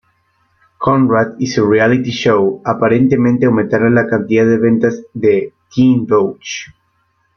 Conrad y su reality show aparentemente aumentaron la cantidad de ventas de "Teen Vogue".